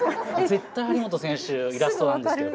絶対張本選手イラストなんですけど。